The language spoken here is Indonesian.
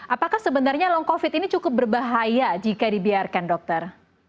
apakah sebenarnya long covid ini cukup berbahaya jika dibiarkan dokter